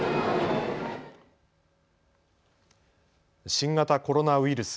新型コロナウイルス。